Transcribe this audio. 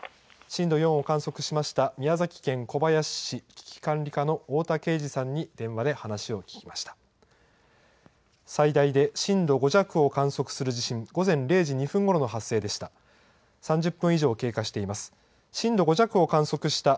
震度４を観測しました、宮崎県小林市、危機管理課の太田けいじさんに電話で話を聞きました。